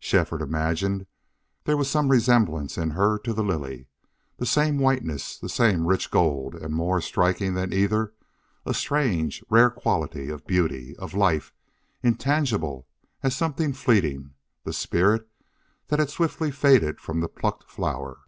Shefford imagined there was some resemblance in her to the lily the same whiteness, the same rich gold, and, more striking than either, a strange, rare quality of beauty, of life, intangible as something fleeting, the spirit that had swiftly faded from the plucked flower.